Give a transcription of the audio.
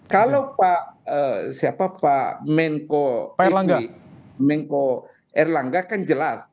kalau pak menko erlangga kan jelas